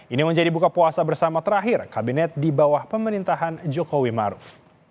ini menjadi buka puasa bersama terakhir kabinet di bawah pemerintahan jokowi maruf